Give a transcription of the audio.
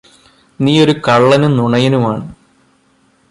നീയൊരു കള്ളനും നുണയനുമാണ്